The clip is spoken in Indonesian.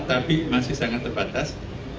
tapi masih sangat terbatas